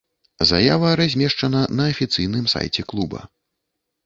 Заява размешчана на афіцыйным сайце клуба.